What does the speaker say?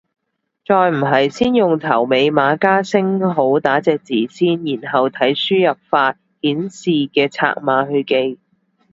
再唔係先用頭尾碼加星號打隻字先，然後睇輸入法顯示嘅拆碼去記